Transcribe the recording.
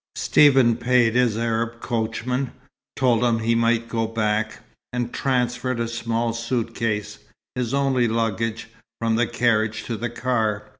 Stephen paid his Arab coachman, told him he might go back, and transferred a small suitcase his only luggage from the carriage to the car.